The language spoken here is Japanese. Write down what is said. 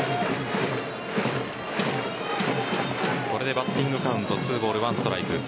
これでバッティングカウント２ボール１ストライク。